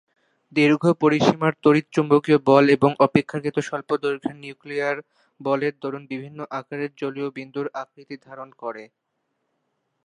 দীর্ঘ পরিসীমার তড়িৎ-চুম্বকীয় বল এবং অপেক্ষাকৃত স্বল্প দৈর্ঘ্যের নিউক্লিয়ার বলের দরুণ বিভিন্ন আকারের জলীয় বিন্দুর আকৃতি ধারণ করে।